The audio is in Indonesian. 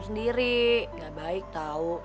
tidak baik tau